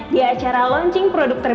di acara launching produk terbaru